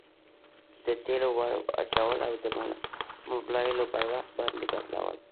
د تیلو ور اچول او د مبلایلو پر وخت باندي بدلول.